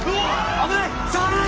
危ない！